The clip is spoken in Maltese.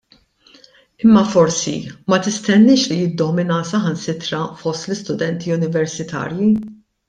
Imma forsi ma tistenniex li jiddomina saħansitra fost l-istudenti universitarji.